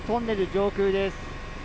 上空です。